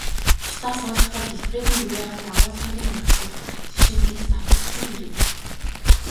Бусдаас хуулахдаа хэлбэрийг нь дуурайгаад, агуулгыг нь орхидог жишиг энд давтагдсан хэрэг.